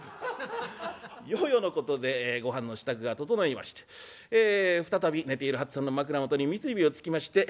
ようようのことでごはんの支度が整いまして再び寝ている八っつぁんの枕元に三つ指をつきまして。